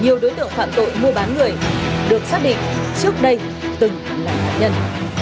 nhiều đối tượng phạm tội mua bán người được xác định trước đây từng là nạn nhân